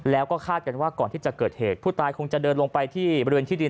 แล้วก็คาดกันว่าก่อนที่จะเกิดเหตุผู้ตายคงจะเดินลงไปที่บริเวณที่ดิน